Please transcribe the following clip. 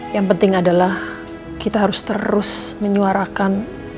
yang penting adalah kita harus terus menyuarakan